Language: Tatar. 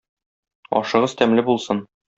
Ашыгыз тәмле булсын!